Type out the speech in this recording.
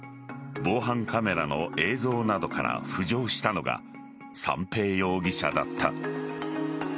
防犯カメラの映像などから浮上したのが三瓶容疑者だった。